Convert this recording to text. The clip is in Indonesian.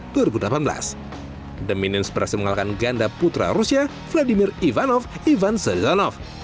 the minions berhasil mengalahkan ganda putra rusia vladimir ivanov ivanzanov